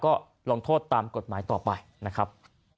ก็ลงโทษตามกฎหมายต่อไปนะครับ